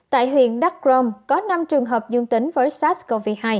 tại huyện đắk rông có năm trường hợp dương tính với sars cov hai